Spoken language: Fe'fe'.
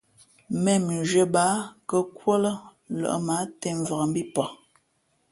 ̀mēn mʉnzhwē bāā nkα̌kūα lά lᾱʼ mα ǎ těmvak mbí pαh.